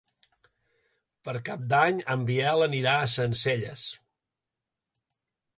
Per Cap d'Any en Biel anirà a Sencelles.